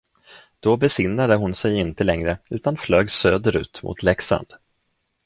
Då besinnade hon sig inte längre, utan flög söderut mot Leksand.